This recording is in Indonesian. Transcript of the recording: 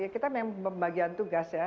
kita memang pembagian tugas ya